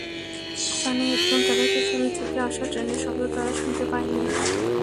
কানে হেডফোন থাকায় পেছন থেকে আসা ট্রেনের শব্দ তারা শুনতে পায়নি।